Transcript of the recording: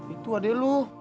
itu adek lo